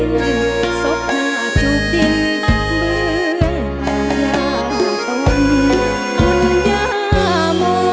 ศพหน้าจูบจิ้นเหมือนตอนยามโม